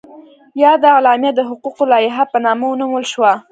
یاده اعلامیه د حقوقو لایحه په نامه ونومول شوه.